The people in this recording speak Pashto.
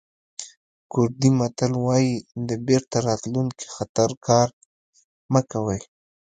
کوردي متل وایي د بېرته راتلونکي خطر کار مه کوئ.